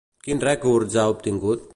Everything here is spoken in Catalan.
Quins rècords ha obtingut?